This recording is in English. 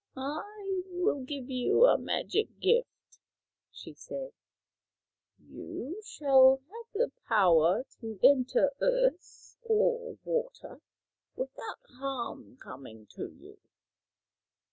" I will give you a magic gift," she said. " You shall have the power to enter earth or water without harm coming to you.